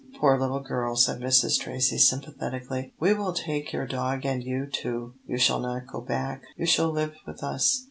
"Poor little girl," said Mrs. Tracy, sympathetically; "we will take your dog and you, too. You shall not go back you shall live with us."